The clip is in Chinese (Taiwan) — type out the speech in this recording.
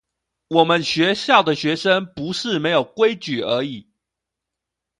我們學校的學生不是沒有規矩而已